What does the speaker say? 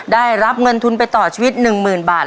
ได้รับเงินทุนไปต่อชีวิต๑๐๐๐บาท